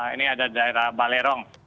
ini ada daerah balerong